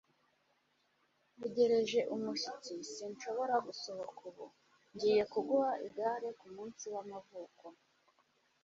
Ntegereje umushyitsi, sinshobora gusohoka ubu. Ngiye kuguha igare kumunsi wamavuko.